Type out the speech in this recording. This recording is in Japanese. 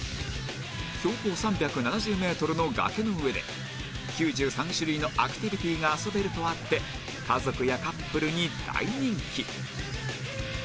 標高３７０メートルの崖の上で９３種類のアクティビティが遊べるとあって家族やカップルに大人気